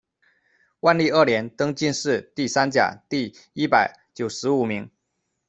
万历二年，登进士第三甲第一百九十五名。